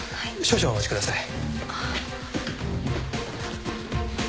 少々お待ちください。